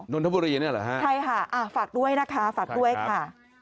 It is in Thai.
นนทบุรีเนี่ยเหรอฮะใช่ค่ะฝากด้วยนะคะฝากด้วยค่ะ